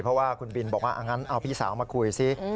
เพราะว่าคุณบินบอกว่างั้นเอาพี่สาวมาคุยซิ